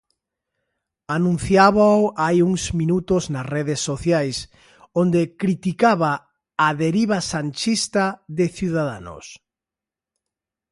Anunciábao hai uns minutos nas redes sociais, onde criticaba a 'deriva sanchista' de Ciudadanos.